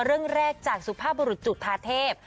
เรื่องแรกจากสุภาพบุรุษจุธาเทพ